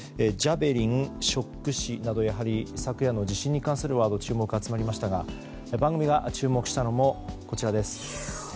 「ジャベリン」、ショック死など昨夜の地震に関するワードに注目が集まりましたが番組が注目したのもこちらです